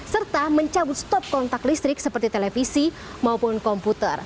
serta mencabut stop kontak listrik seperti televisi maupun komputer